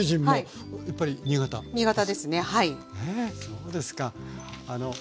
そうですか。